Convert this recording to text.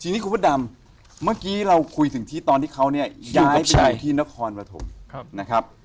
ทีนี้คุณพระดำเมื่อกี้เราคุยถึงที่ตอนที่เขาเนี่ยย้ายไปที่นครปฐมนะครับ